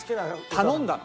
頼んだの。